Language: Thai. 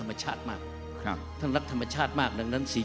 ทำไมชาติมาครับถนัดแทนมันชาติมากนั้นสิ